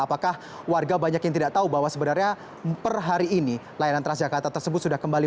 apakah warga banyak yang tidak tahu bahwa sebenarnya per hari ini layanan transjakarta tersebut sudah kembali